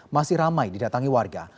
masih ramai didatangi warga